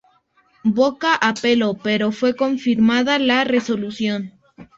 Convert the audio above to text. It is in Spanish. Boca apeló, pero fue confirmada la resolución.